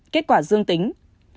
kết quả dương tính